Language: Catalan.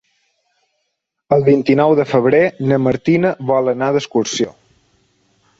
El vint-i-nou de febrer na Martina vol anar d'excursió.